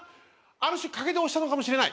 ある種賭けで押したのかもしれない。